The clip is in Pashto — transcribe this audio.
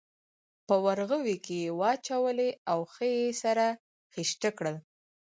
په ورغوي کې یې واچولې او ښه یې سره خیشته کړل.